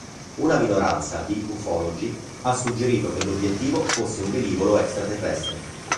Una minoranza di ufologi ha suggerito che l'obiettivo fosse un velivolo extraterrestre.